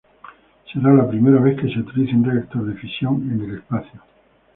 Será la primera vez que se utilice un reactor de fisión en el espacio.